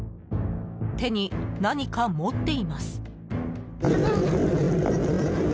手に何か持っています。